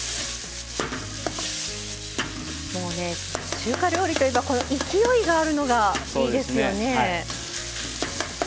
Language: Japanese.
中華料理といえばこの勢いがあるのがいいですよね。